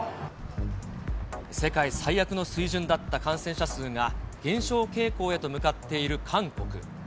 世界最悪の水準だった感染者数が、減少傾向へと向かっている韓国。